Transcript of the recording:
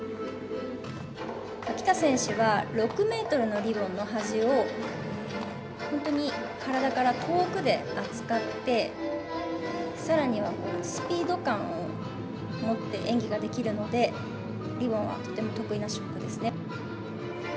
喜田選手は６ｍのリボンの端を本当に、体から遠くで扱って更にはスピード感を持って演技ができるのでリボンは得意な種目ですね。